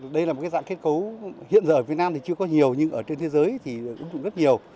đây là một dạng kết cấu hiện giờ ở việt nam thì chưa có nhiều nhưng ở trên thế giới thì ứng dụng rất nhiều